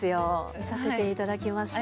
見させていただきました。